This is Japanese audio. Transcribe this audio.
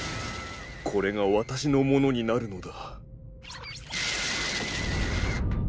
これがわたしのものになるのだ。